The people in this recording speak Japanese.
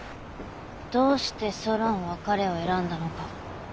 どうしてソロンは彼を選んだのか。